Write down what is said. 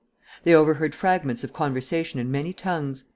They overheard fragments of conversation in many tongues.